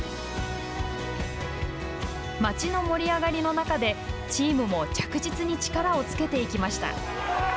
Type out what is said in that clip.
町の盛り上がりの中でチームも着実に力をつけていきました。